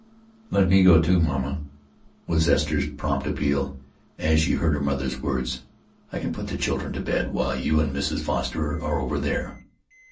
"Let me go, too, mamma," was Esther's prompt appeal, as she heard her mother's words. "I can put the children to bed while you and Mrs. Foster are over there."